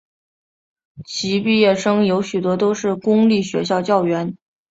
其毕业生有许多都是公立学校教员。